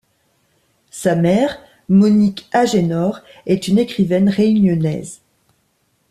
Sa mère, Monique Agénor, est une écrivaine réunionnaise.